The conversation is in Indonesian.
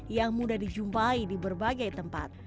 yang mudah dijumpai di berbagai tempat